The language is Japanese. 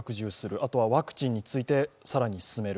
あとはワクチンについて、更に進める。